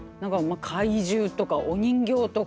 怪獣とかお人形とか？